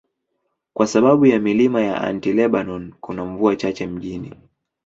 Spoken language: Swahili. Kwa sababu ya milima ya Anti-Lebanon, kuna mvua chache mjini.